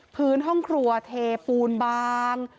พื้นห้องครัวเทปูนบาง